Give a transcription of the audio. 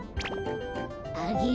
あげる。